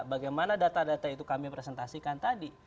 bagaimana data data itu kami presentasikan tadi